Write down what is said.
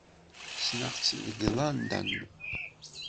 Ssneɣ-tt deg London.